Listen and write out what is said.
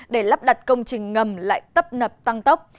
để lắp đặt công trình ngầm lại tấp nập tăng tốc